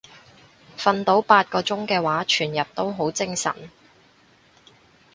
瞓到八個鐘嘅話全日都好精神